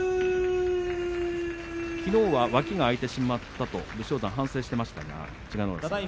きのうは脇が空いてしまったと武将山、反省していましたが千賀ノ浦さん